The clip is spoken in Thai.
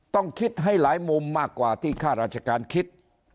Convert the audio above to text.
ต้องคิดให้หลายมุมมากกว่าที่ข้าราชการคิด